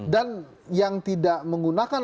dan yang tidak menggunakan